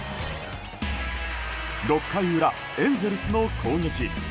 ６回裏、エンゼルスの攻撃。